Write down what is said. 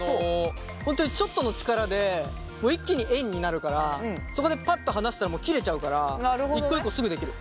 本当にちょっとの力で一気に円になるからそこでパッと離したら切れちゃうから一個一個すぐ出来る。